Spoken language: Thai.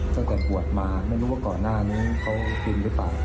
ตั้งแต่ปวดมาไม่รู้ว่าก่อนหน้านี้เขากินหรือเปล่า